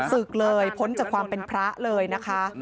ศึกเลยพ้นจากความเป็นพระเลยนะคะ